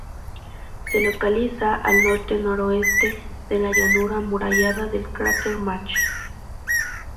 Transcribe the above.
Se localiza al norte-noroeste de la llanura amurallada del cráter Mach.